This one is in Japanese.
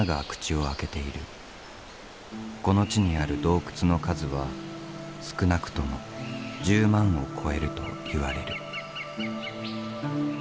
この地にある洞窟の数は少なくとも１０万を超えるといわれる。